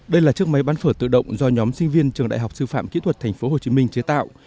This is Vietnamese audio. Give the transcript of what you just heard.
đây là chiếc máy bán phở tự động do nhóm sinh viên trường đại học sư phạm kỹ thuật tp hcm chế tạo